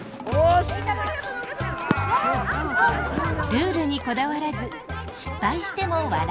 ルールにこだわらず失敗しても笑い飛ばす。